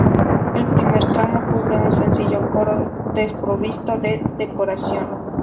El primer tramo cubre un sencillo coro desprovisto de decoración.